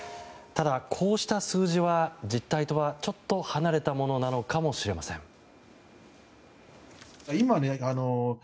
ただ、こうした数字は実態とはちょっと離れたものなのかもしれません。